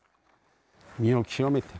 身を清めて。